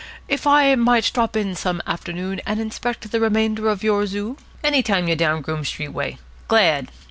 If I might drop in some afternoon and inspect the remainder of your zoo ?" "Any time you're down Groome Street way. Glad."